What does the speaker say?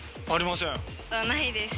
ないです。